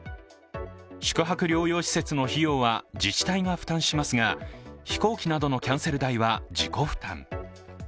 宿泊療養施設の費用は自治体が負担しますが、飛行機などのキャンセル代は自己負担。